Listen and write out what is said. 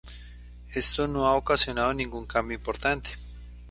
Esto no ha ocasionado ningún cambio importante.